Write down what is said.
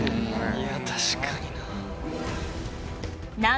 いや確かにな。